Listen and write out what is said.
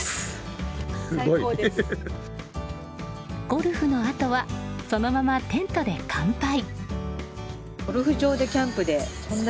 ゴルフのあとはそのままテントで乾杯。